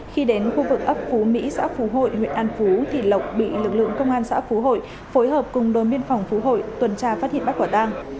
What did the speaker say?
khi đến khu vực ấp phú mỹ xã phú hội huyện an phú thì lộc bị lực lượng công an xã phú hội phối hợp cùng đồn biên phòng phú hội tuần tra phát hiện bắt quả tang